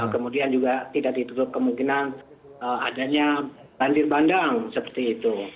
kemudian juga tidak ditutup kemungkinan adanya banjir bandang seperti itu